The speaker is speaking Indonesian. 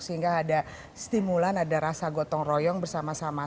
sehingga ada stimulan ada rasa gotong royong bersama sama